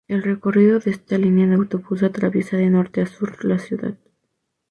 El recorrido de esta línea de autobús atraviesa de norte a sur la ciudad.